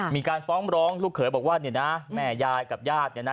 มีการฟ้องร้องลูกเขยบอกว่าเนี่ยนะแม่ยายกับญาติเนี่ยนะ